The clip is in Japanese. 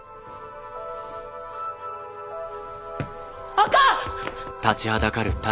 あかん！